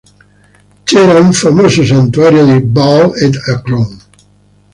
C'era un famoso santuario di Baal ad Ekron.